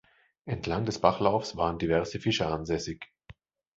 Entlang des Bachlaufs waren diverse Fischer ansässig.